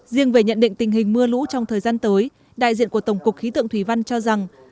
riêng về nhận định tình hình mưa lũ trong thời gian tới đại diện của tổng cục khí tượng thủy văn cho rằng